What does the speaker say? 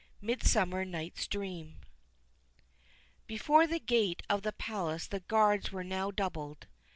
MIDSUMMER NIGHT'S DREAM. Before the gate of the palace the guards were now doubled.